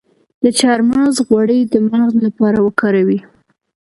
د چارمغز غوړي د مغز لپاره وکاروئ